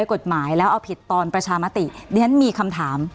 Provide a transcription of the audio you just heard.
กฎหมายแล้วเอาผิดตอนประชามติดิฉันมีคำถาม